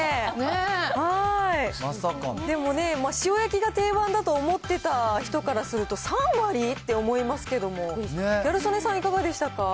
でもね、塩焼きが定番だと思ってた人からすると３割？って思いますけど、ギャル曽根さん、いかがでしたか？